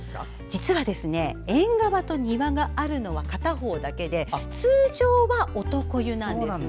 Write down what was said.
実は縁側と庭があるのは片方だけで通常は男湯なんですね。